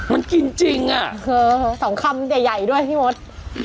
มันกินจริงอ่ะคือสองคำใหญ่ด้วยพี่มด